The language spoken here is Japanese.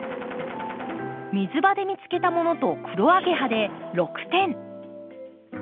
水場で見つけたものとクロアゲハで６点。